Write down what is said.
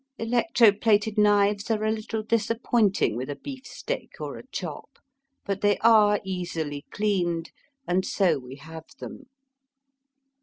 Electro plated knives are a little disappointing with a beefsteak or a chop ; but they are easily cleaned, and so we have them.